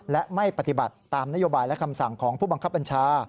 และไม่ปฏิบัติตามนโยบายและคำสั่งของผู้บังคับบัญชา